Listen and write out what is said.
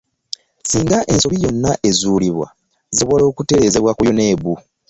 Singa ensobi yonna ezuulibwa, zisobola okutereezebwa ku UNEB.